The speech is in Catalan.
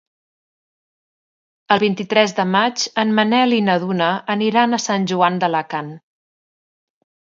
El vint-i-tres de maig en Manel i na Duna aniran a Sant Joan d'Alacant.